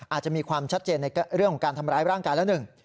อาจจะมีความชัดเจนในเรื่องของการทำร้ายร่างกายแล้วหนึ่ง